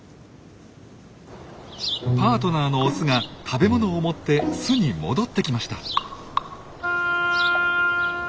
パートナーのオスが食べ物を持って巣に戻ってきました。